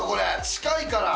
近いから。